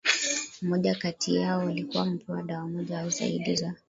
moja kati yao walikuwa wamepewa dawa moja au zaidi za